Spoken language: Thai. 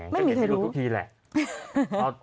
ไม่มีใครรู้แม่จะเรียกได้รู้ทุกทีแหละ